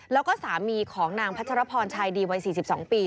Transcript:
แล้วก็สามีของนางพัชรพรชายดีวัย๔๒ปี